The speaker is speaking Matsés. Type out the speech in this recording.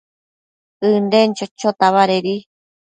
ënden chochota badedi